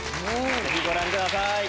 ぜひご覧ください。